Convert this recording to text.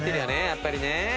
やっぱりね。